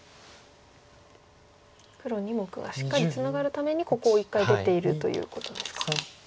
黒２目がしっかりツナがるためにここを一回出ているということですか。